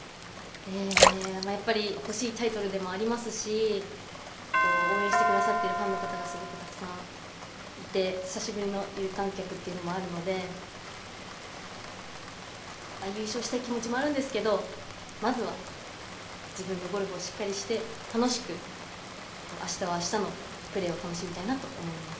やっぱりほしいタイトルでもありますし応援してくださっているファンの方がたくさんいて久しぶりの有観客というのもあるので優勝したい気持ちもあるんですけど、まずは自分のゴルフをしっかりして楽しくあしたはあしたのプレーを楽しみたいなと思います。